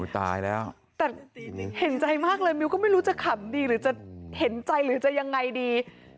ตายแล้วแต่เห็นใจมากเลยมิวก็ไม่รู้จะขำดีหรือจะเห็นใจหรือจะยังไงดี